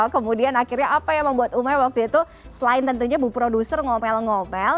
kemudian akhirnya apa yang membuat umai waktu itu selain tentunya bu produser ngomel ngopel